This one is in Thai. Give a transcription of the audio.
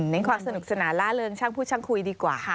ความสนุกสนานล่าเริงช่างพูดช่างคุยดีกว่า